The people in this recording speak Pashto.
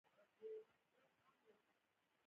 ستړې ځمکې د الفت به څوک سمسورې کړي.